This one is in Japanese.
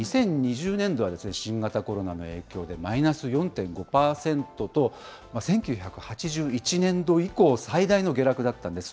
２０２０年度は新型コロナの影響で、マイナス４．５％と、１９８１年度以降最大の下落だったんです。